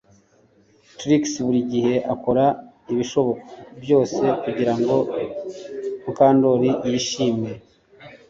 Trix buri gihe akora ibishoboka byose kugirango Mukandoli yishime